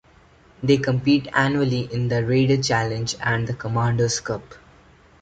They compete annually in the Raider Challenge and the Commander's Cup.